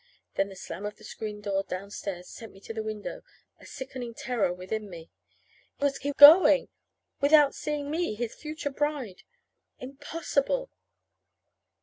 Then the slam of the screen door downstairs sent me to the window, a sickening terror within me, Was he going without seeing me, his future bride? Impossible!